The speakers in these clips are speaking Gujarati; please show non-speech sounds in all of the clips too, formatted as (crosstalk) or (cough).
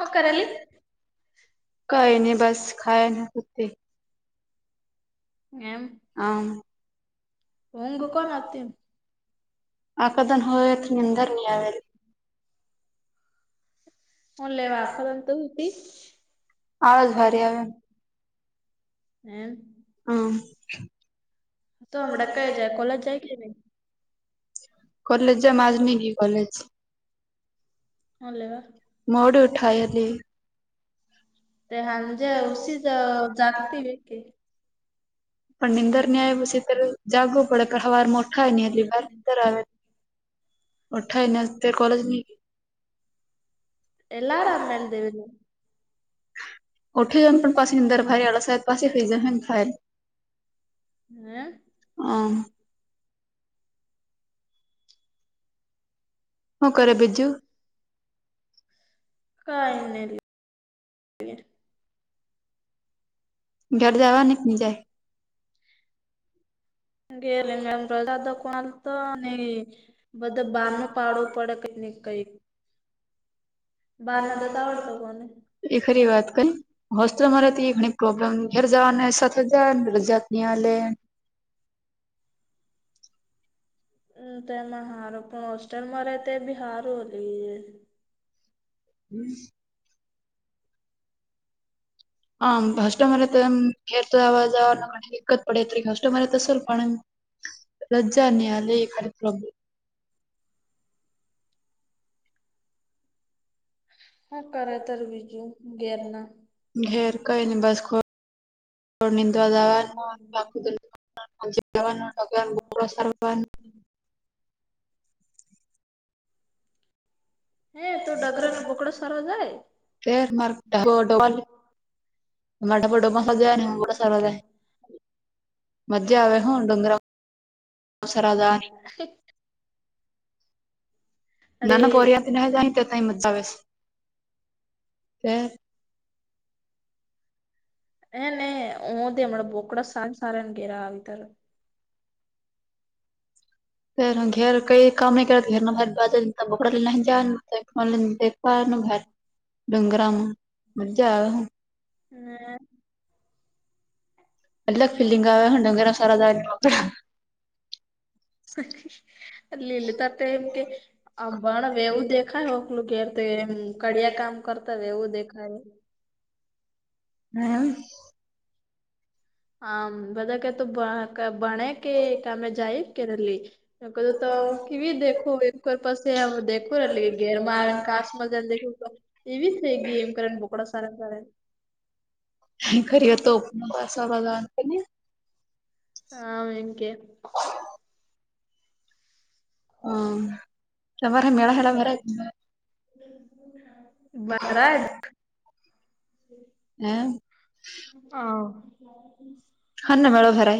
હું કરેલી કઈ નહી બસ ખાયી ને સુતી. એમ. આમ. ઊંઘ કોણ આવતી આ કદન હોત નિંદર આવે. હણ લે વાખલ તો હતી. આળસ ભારી આવે હમ. હમ તો હમણાં કઈ જાય કોલેજ જાય કે નહી. કોલેજ જ માજમ ગી કોલેજ હલો. મોડું ઉઠાયલી. તે હાજ ઉસી જ જાગતિ વેખ. પણ નીંદર નેય પછી જાગવું પડે પણ હવાર મોઠા ની હહેલી વાાર નીદર આવે ઓઠા એને કોલેજની. એલા અરામ મેલ દેવી (unintelligible) ઓઠી જમ પણ પાસેનીંદરભારી આળા સાહેબ પાસે ફૈજન થાયર હમ (unintelligible) હું કર બીજું કને (unintelligible) ઘર જવા નહી જાય ગેલી મેમ દાદ કોણાલ તો નહી બધા બહનું પાડવું પડે ક નને કઈક બાર ના દત આવડતો કોને એ ખરી વાત કઈ હોસ તો મારેથી ઘણી પ્રોબ્લેમ ઘેર જવા ને સાથે જ ને દ જાત ન આલે હમ તોમાં હારો પણ હોસ્ટેલમાં ર તો બી હારું લ હમ હમ કાસસ્ટમર તો ખેર તો આવાજવા દિકકત પડે ત કાસસ્ટમર તોલ પણ લજ્જાની આલે એ પ્રભુ હા કરે ત બીજું ઘેરના ઘેર કઈ નને બસંદવા દવા સ (inaudible) હે તું ડગર ન બોકડાો સાર જાય પર માર્ (unintelligible) માટા ફટો પણ સજ સરાય (unintelligible) મધ્યા આ આવેહો ઉ ડુંઘ્ર (inaudible) અરે ના ના પોરિયાથી ન જાય તે તઈ મુદા આવે કે એ નને હ ત હમણાં બોકડ સારા સારા ને ઘેરા આવી તાર ે ઘેર કઈ કામ નહી કરત ઘેરના બકડા લ નહી જ તોને દેવાનુંર ડગરમાં મા હ હમ (unintelligible) એલગ ફીલીિંગ આવે્યા હણંગીરા સાર લીલિતા તો એમ કે આ ભણ એવું દેખાય ઓકલું ઘેર એમ કડિયા કામ કરતા હોય એવું દેખાય હમ હા બધા ક તો ભણે કે અમે જાય કે રેલી ક તો હું કેવી દખું એકર પછ દખું એટલે કે ઘેર મા કાસ મજનેું એવી થઈ ગે એમ કરે ને બોકડા સાર કરને ખરી વા તોપ બ ને હા હમ કેે હ તમારે મેળ હેલા ભ બરા (unintelligible) હમ (inaudible) હ હા ના મેળો ભરા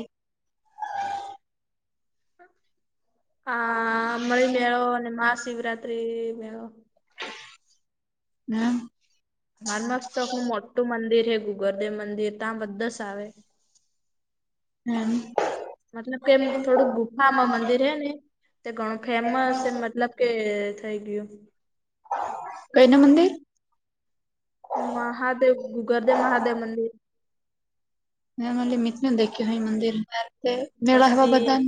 હા મણી મેળો અને મહાશિવરાત્રી મેળો હમ મારે મસ્ત આપણું મોટું મંદિર હ ગુગરદેવ મંદિર ત્યાં બધા જ આવે હમ મતલબ કેમ થોડુંક ગુફામાં મંદિર હે ને તે ઘણું ફેમસ એમ મતલબ કે થઇ ગયું કઈ ના મંદિર મહાદેવ ગુગર્દેવ મહાદેવ મંદિર હ મિત દેખ્યું હોય મંદિર હે તે મેળા હવા પછી બધા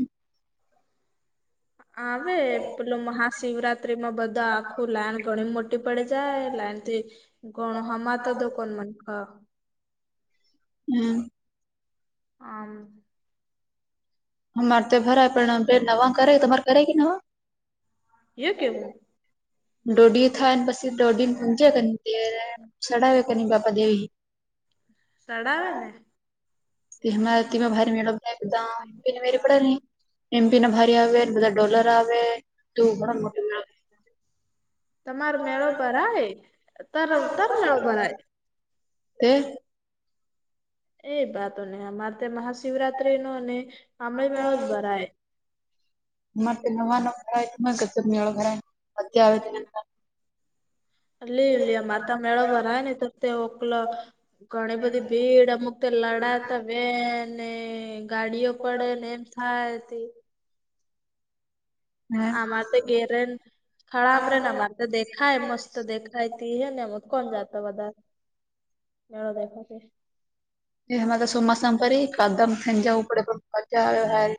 આવે પેલું મહાશિવરાત્રીમાં બધા આખું લાન ઘણી મોટી ટી પડી જાય લ એનથી ગણ હ મા તો દકન મ હા હમ (unintelligible) અમારે તો ભરાય પણ નવા કરે તમારે કરે કે નવા યો કેવું ડોડથાન પસે દોડી મુજે કની તે સડાવે ક ન બાપા દેવી સડાવે ને તે હમાંમાં ભારે મેળવ એકદમને મેરી પડ નહી એમપી ના ભારી આવે બધા ડોલર આવે ત ઘ મો તમાર મેળો ભરાય તર તર મેળો ભરાય તે એ વાતો ન અમારે ત્યા મહાશિવરાત્રી ન અને આંમળે મેળો જ ભરાય અરે તો નવા ન ભરાય ગજબ મેળો ભરાય અધ આવે અ લ લ માતા મેળ બર ને તો તે ઓકલ ગણ બધી ભીડ અમૂકતે લડા ત બે ને ગાડીઓ પડે ને એમ થાય હતી આમારે તો ગેરેન સ્થળામરેન અમારે તો દેખાય મસ્ત દેખ થાયતી હ ને એમ કોણ જાતો વધારે મેળો દેખોથી એ હરે તો ચોમાસા ફરી કદમ ખંજું પડે પણ મજા આવે્યો હાર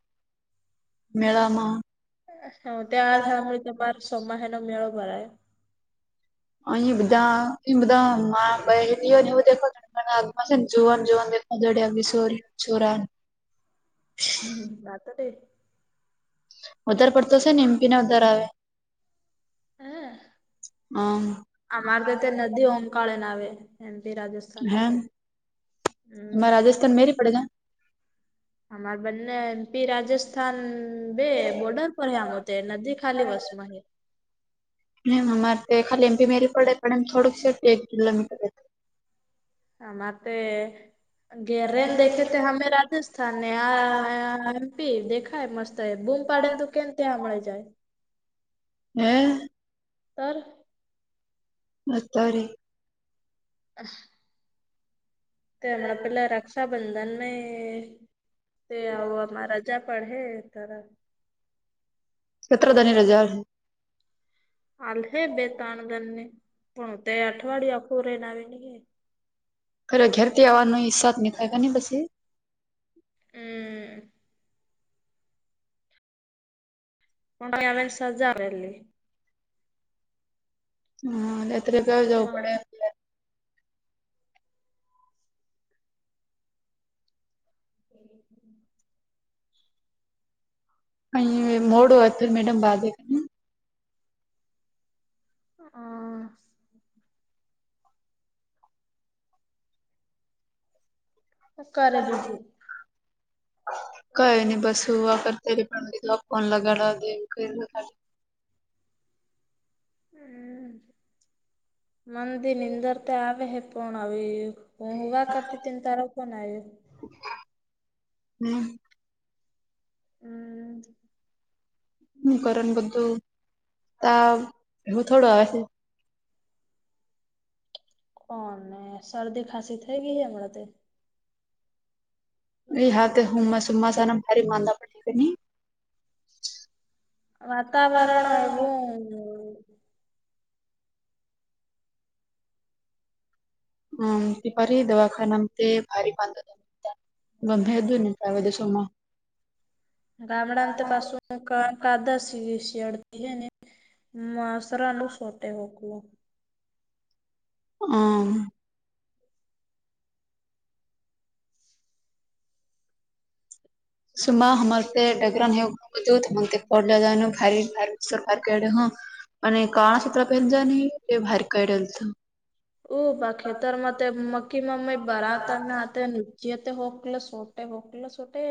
હ ત્યાં સાભળી તમાર સોમાહનો મેળો ભરાય અ બધા એ બધા ભાઈયો ને એવું દેખોને અને આગમાં છે જોવાન જોવાન દેખવા જડે આવી છો છોરા હ વાતોટ વધારે પડતોશે એમપી ને વધાર આવે હમ હમ અમારે તો તે નદી ઓંકાળે ને આવે એમથી રાજસ્થાન હમ હે હમ એમાં (inaudible) અમાર બંને એમપી રાજસ્થાન હમ બે બોર્ડર પર હ આમતે નદી ખાલી વસમ હ એમ અમારે તો ખાલી એમપી મેરી પડે પણ એમ થોડુંક સેફ્ટી એક કિલોમીટર અમાર તે ગેરરેન દેખે તે હમે રાજસ્થાન ને આ એમપી દેખાય મસ્ત એ બૂમપડે તો કેમ ત્યાં મળે જાય હે ઓર અતારે (unintelligible) તે હમણાં પેલા રક્ષાબંધનમાં તે આવ રાજા પડે સરસ સત્રધની ર જળ આલ હે બેતાણગણને પણ તે અઠવાડિયા અખો ર નવીને ખરે ઘેરથી આવવાનો સા નહીખાય ને પછી હમ સજાર એલી હા એત્ર ક જઉ અ મોડુંત મેડમ બાદ હા કરરે બીજું કઈ નહી બસું વા કરતા પણધ ફોન લગાડ દેવુંા હમ મંદિરનીંદર તે આવે હે પણ આવી હ હોવા કરતી ત તારો પણ આવે હમ હમ હું કરણ બધું ત બું થોડું આવે છે. કોણ ને શરદી ખાંસી થઈ ગઈ હમણાં તે એ હા તો હુમ સુમ સાર ભારી માનદ પણ ઠીકની વાતાવરણ એ હમ દિપારી દવાખાનાંત ભારી પા દ ગમે ભે દું ને દેશોમાં ગામડાંત પાસ ક કાદા શ શિયાડ દસરાનું સોટે હકવ હમ સુમા હમારતે ડગરન હેવ બ તો મ પલા દનું ભ ભ સરડે હ અને કણા ચિત્ર પેન જ ન તે ભાર ક ડલ તો ઉ બા ખેતરમાં તે મકીી બરા હતા જે તે હોકલ છોટે હોકલા છોટે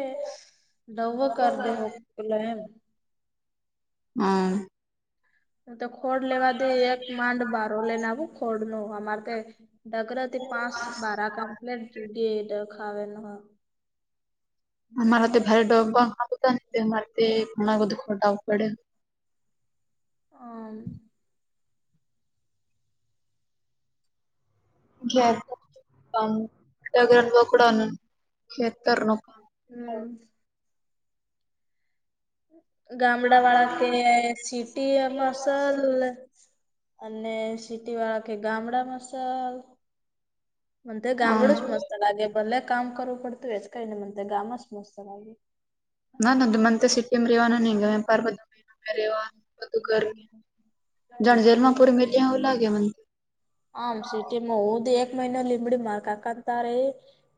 દવ કર દ હોક લમ હમ તો ખોડ લેવાથી એક માંડ બારો લઈને આવું ખોડ નું અમારે તે ડગરતી પાંચ બારા કમ્પ્લેટ જુગ એ ડખાવે ન અમારા તે ભારે ડગ હતા અમારે તે ઘણા બધું ખટું પડે હમ ઘ દગર બકડ ઘ કર નક (unintelligible) હમ ગામડા વાળા કે સિટી એમાંસલ અને સિટી વાળા કે ગામડા મસાાલ મ તો હમ ગામડસ મસ્ત લાગે ભલે કામ કરવું પડતું એ કઈ નન ગામસ મસ્ત ગ ના ન મંત સટીમ રવાનું નંગ વ્યાપાર બધું આવાધું કર જાણ જલમાપુરી મિ્યા ઓ લાગાગ મ આમ સીટીીમાં ઉદ એકક મહિના લિમડી મારકકંતારે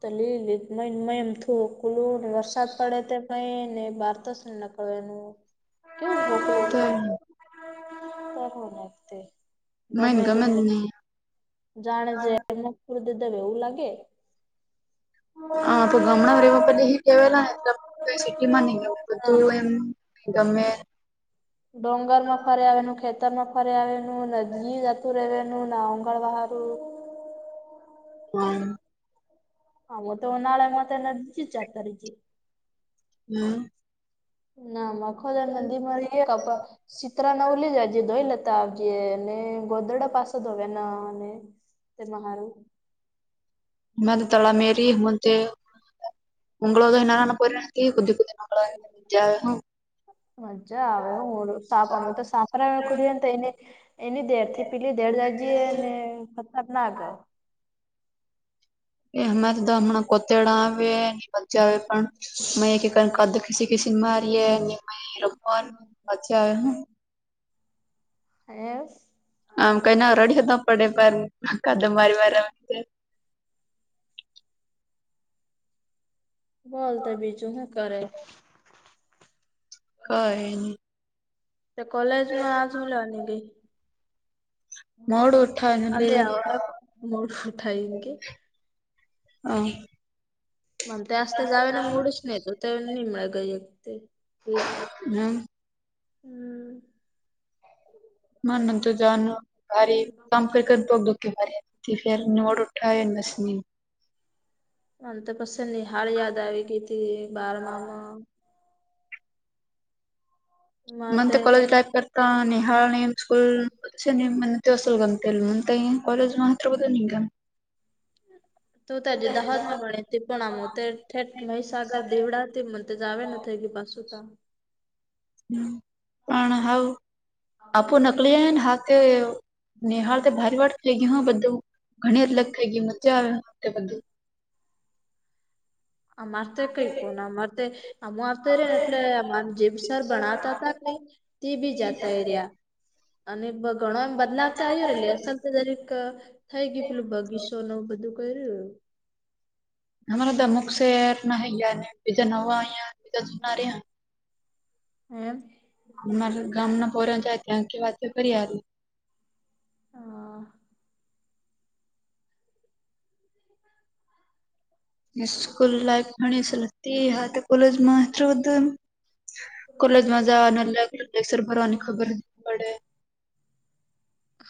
તલી લ મ મયમ થો કુલોુંને વરષ સાદ પડે તે કઈને બહાર તોસ ને નકળવા એનું કેવ મોોકલો તો કરનેખતે મગ મંદને જાણે જે મ ફુર દ દે એવું લાગે હા તો ગમડાર એમાં પલી એ કેવાલા ને કઈ સિટી માં નઈ ગવું હા બધું એમ ગમે ડોગર માં ફરે આવેનું ખેતર માં ફરે આવેનું ના જીવ જતું રહેવાનું ના ઓંગણ બારું હમ હા હ તો નાળ મત એને દ જ ચાર તારીખ હમ ના મખજા નદીમાં સીિતરા ના ઉલી જાય જે દો લે ત ને ગોદડા પાસ દવે નાને તે માારું હ તળ મેરી મંત ઉંગ્ળોના પરીણા કુદીી કુ ન હ (unintelligible) મજ્જા આવે હડું સાપ મ તો સાપરા કડી અ એઈની એની દેડ થી પેલી દેડ જ જે ને ફતર ના ગયો એ હમે તોધા હમણાં કોતેડા આવે ન મચા આવે પણ અ એક કદ (inaudible) એ કે સિમા આ ર રમન હ હેસ આમ ક ના રેડી હતા પડે કદ મારીવા બોલ તો બીજું હું કરે. કાહે ની તે કોલેજમાં આજ હું લવાની ગઈ મોડું ઉઠાય એટલે અલે આ મોડું થાય કે. હા મ આતા (inaudible) ગાવના મોડ જ નહ તો નિમ ગ હમ હમ મ ન તોર જનું ભારે કામ કર કર બોગ ડ કે ભારે તે ફેર નોટ ઉઠા એ નસની અને તો પછી નિહાળ યાદ આવી ગઈ હતી બારમામાં મ માં તો તે કોલેજ લાઇફ કરતા નિહાળ સ્કૂલ સને મ તે અસલ (inaudible) ગામ થ મને ત કોલેજમાં માત્ર બધ ન ગામ તો તાજે દાહોદ માં ભણે. તે પણ આમ ઠેટ મહીસાગર દેવડા હતી મને જાવ ન થ એ ગ પાસુ તો હમ પણ હઉ આપુ નકલી હ ને હાથ તે નેહળ તો બારી વાટ ખ લઈ ગઈ હો બધું ઘણી અલગ થઇ ગય મજા આવે તે બદલ આ મારદ કઈ કોન મરતે આમ આવતો રે ને એટલે આ જેબ સર ભણતા હતાા કઈ તે બી જાતા એ રહ્યા અને ઘણોમ બદલાવ તો આવ્યો રે અસલ દરેક થાય ગય પેલું બગીચોને બધું કર્યું. અમારા તો અમુક શેર ના હૈયા ને બીજા નવા અયા બીજા જનાર એમ અમાર ગામના પરાચાય ત્યાં કે વાત કરી આરુ હા સ્કૂલ લાઈફ ઘણીસ (inaudible) હા કોલેજમાં બધ કોલેજમાં જ અને લેક્ચર ભરવાની ખબર પડે હ